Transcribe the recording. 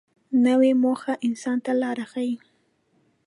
نوې موخه انسان ته لار ښیي